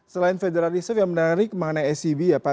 selain fedarisa yang menarik mana scb ya pak